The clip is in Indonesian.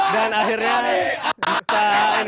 dan akhirnya bisa